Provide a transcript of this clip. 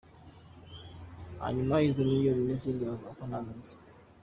Hanyuma izo miliyoni zindi bavuga ntazo nzi.